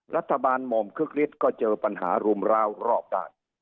รัฐบาลหม่อมคลุกฤทธิ์ก็เจอปัญหารุมราวรอบด้าน